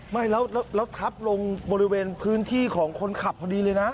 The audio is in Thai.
ไม่แล้วทับลงบริเวณพื้นที่ของคนขับพอดีเลยนะ